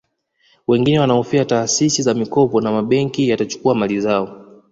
Wengine wanahofia taasisi za mikopo na mabenki yatachukua mali zao